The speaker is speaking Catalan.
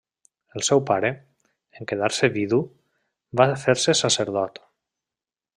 El seu pare, en quedar-se vidu, va fer-se sacerdot.